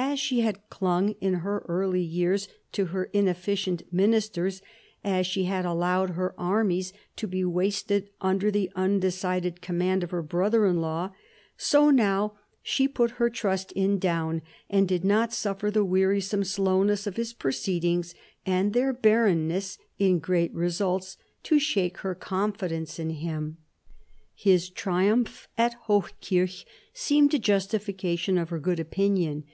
As she had clung in her early years to her inefficient ministers, as she had allowed her armies to be wasted under the undecided command of her brother in law, so now she put her trust in Daun, and did not suffer the wearisome slowness of his proceedings and their barrenness in great results to shake her confidence in him. His triumph at Hochkirch seemed a justification of her good opinion.